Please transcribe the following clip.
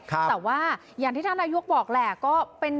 แต่ว่าอย่างที่ท่านนายกบอกแหละก็เป็น